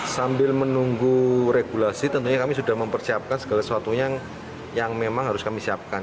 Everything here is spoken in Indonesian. sambil menunggu regulasi tentunya kami sudah mempersiapkan segala sesuatunya yang memang harus kami siapkan